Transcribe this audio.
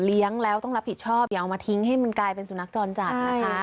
เลี้ยงแล้วต้องรับผิดชอบอย่าเอามาทิ้งให้มันกลายเป็นสุนัขจรจัดนะคะ